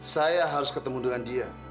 saya harus ketemu dengan dia